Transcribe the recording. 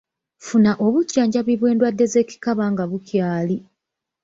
Funa obujjanjabi bw’endwadde z’ekikaba nga bukyali.